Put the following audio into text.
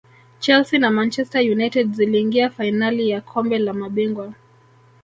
chelsea na manchester united ziliingia fainali ya kombe la mabingwa